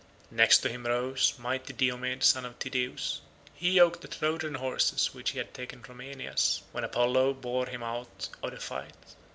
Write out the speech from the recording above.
Next to him rose mighty Diomed son of Tydeus; he yoked the Trojan horses which he had taken from Aeneas, when Apollo bore him out of the fight.